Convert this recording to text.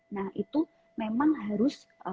nah itu memang harus